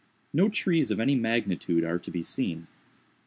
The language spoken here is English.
No trees of any magnitude are to be seen.